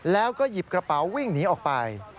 แล้วก็หยิบกระเป๋าวิ่งหนีออกไป